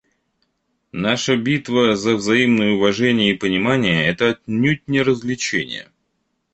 Наша битва за взаимное уважение и понимание — это отнюдь не развлечение.